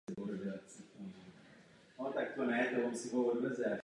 Pearson působí jako profesor na University of Virginia.